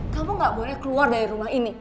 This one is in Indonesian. kamu gak boleh keluar dari rumah ini